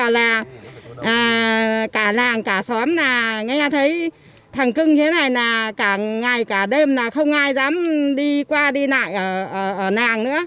làng cả xóm là nghe thấy thằng cưng thế này là cả ngày cả đêm là không ai dám đi qua đi lại ở làng nữa